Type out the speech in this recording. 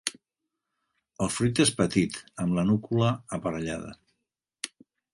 El fruit és petit amb la núcula aparellada.